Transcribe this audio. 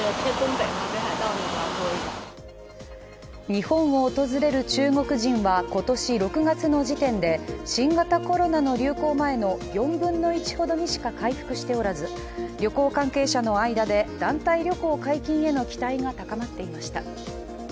日本を訪れる中国人は今年６月の時点で新型コロナの流行前の４分の１ほどにしか回復しておらず旅行関係者の間で団体旅行解禁への期待が高まっていました。